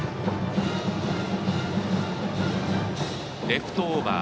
レフトオーバー。